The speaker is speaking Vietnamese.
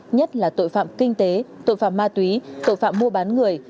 nhất là tội phạm kinh tế tội phạm ma túy tội phạm mua bán người